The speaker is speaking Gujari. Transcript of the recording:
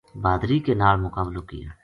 بھادری کے نال مقابلو کیو۔